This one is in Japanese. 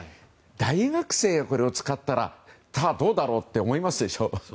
大学生がこれを使ったらどうだろうって思いますでしょ。